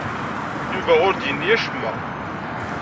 Yuba ur d-yenni acemmek.